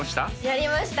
やりました